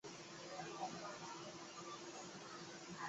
奔宁山脉断裂带是一个自西北向东南的断裂带。